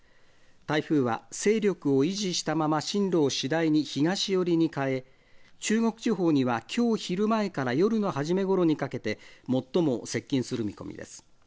台風は勢力を維持したまま進路を次第に東寄りに変え、中国地方にはきょう昼前から夜のはじめごろにかけて最も接近する見込みです。